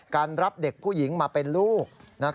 รับเด็กผู้หญิงมาเป็นลูก